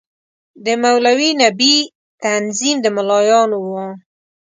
د مولوي نبي تنظیم د ملايانو وو.